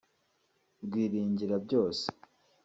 rwiringira byose